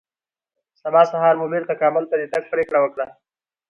سبا سهار مو بېرته کابل ته د تګ پرېکړه وکړه